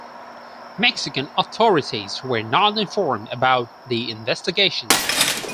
Mexican authorities were not informed about the investigation.